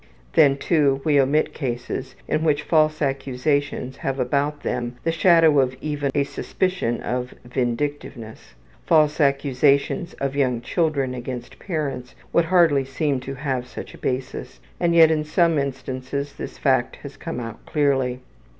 Then, too, we omit cases in which false accusations have about them the shadow of even a suspicion of vindictiveness. False accusations of young children against parents would hardly seem to have such a basis, and yet in some instances this fact has come out clearly.